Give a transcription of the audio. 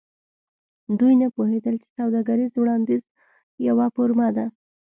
دوی نه پوهیدل چې سوداګریز وړاندیز یوه فورمه ده